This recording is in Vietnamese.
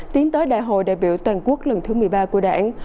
tiến tới đại hội đại biểu toàn quốc lần thứ một mươi ba của đảng